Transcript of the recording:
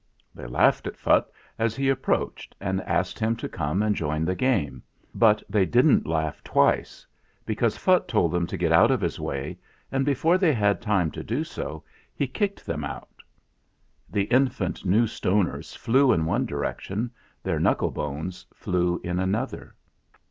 They laughed at Phutt as he approached, and asked him to come and join the game ; but they didn't laugh twice, because Phutt told them to get out of his way, and before they had time to do so he kicked them out. The infant New Stoners flew in one direction; their knuckle bones flew in another.